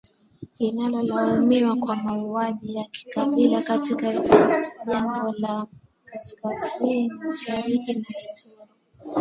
Linalolaumiwa kwa mauaji ya kikabila katika jimbo la kaskazini-mashariki la Ituri.